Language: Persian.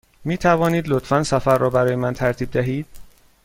می توانید لطفاً سفر را برای من ترتیب دهید؟